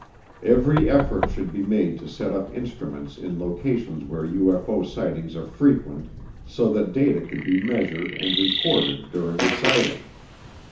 Every effort should be made to set up instruments in locations where UFO sightings are frequent, so that data could be measured and recorded during a sighting.